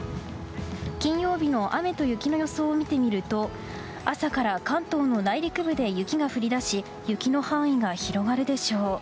金曜日の雨と雪の予想を見てみると朝から関東の内陸部で雪が降り出し雪の範囲が広がるでしょう。